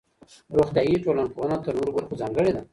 روغتيائي ټولنپوهنه تر نورو برخو ځانګړې ده.